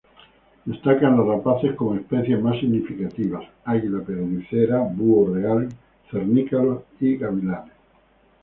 Destacan las rapaces como especies más significativas: águila perdicera, búho real, cernícalos y gavilanes.